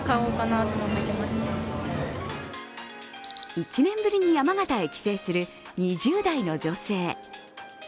１年ぶりに山形へ帰省する２０代の女性。